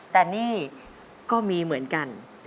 แต่นี่ก็มีเหมือนกัน